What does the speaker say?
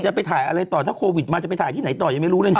จะไปถ่ายอะไรต่อถ้าโควิดมาจะไปถ่ายที่ไหนต่อยังไม่รู้เลยนะ